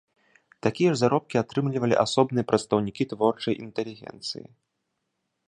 Такія ж заробкі атрымлівалі асобныя прадстаўнікі творчай інтэлігенцыі.